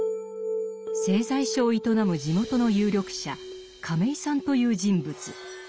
製材所を営む地元の有力者亀井さんという人物。